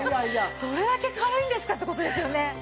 どれだけ軽いんですかって事ですよね。